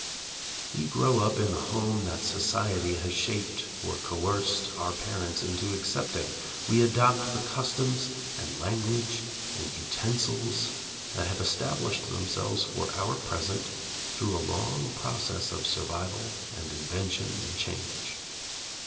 We grow up in the home that society has shaped or coerced our parents into accepting, we adopt the customs and language and utensils that have established themselves for our present through a long process of survival and invention and change.